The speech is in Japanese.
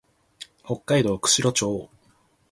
北海道釧路町